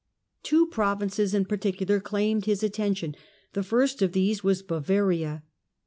Two provinces in particular claimed his attention, cbaries The first of these was Bavaria.